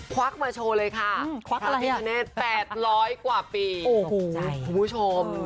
ควักมาโชว์เลยค่ะควักอะไรอ่ะถ้าพิเศษแปดร้อยกว่าปีโอ้โหคุณผู้ชม